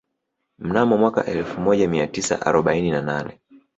Mnamo mwaka elfu moja mia tisa arobaini na nane